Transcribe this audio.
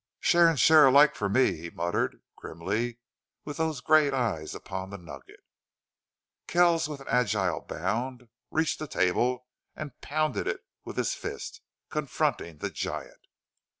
"Share and share alike for me!" he muttered, grimly, with those great eyes upon the nugget. Kells, with an agile bound, reached the table and pounded it with his fist, confronting the giant.